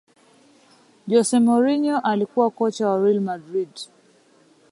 jose mourinho alikuwa kocha wa real madridhi